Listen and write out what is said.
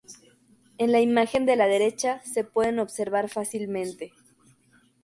En la imagen de la derecha se pueden observar fácilmente.